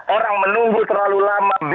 orang menunggu terlalu lama